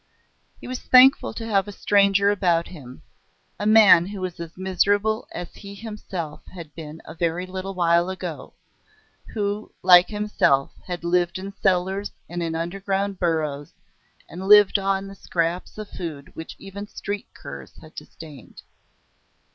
He was thankful to have a stranger about him, a man who was as miserable as he himself had been a very little while ago; who, like himself, had lived in cellars and in underground burrows, and lived on the scraps of food which even street curs had disdained.